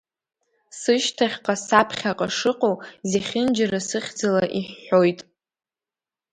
Сышьҭахьҟа, саԥхьаҟа шыҟоу, зехьынџьара сыхьӡала иҳәҳәоит…